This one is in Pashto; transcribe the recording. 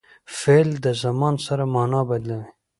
فعل د زمان سره مانا بدلوي.